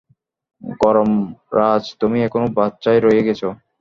গরম, - রাজ, তুমি এখনো বাচ্চাই রয়ে গেছো।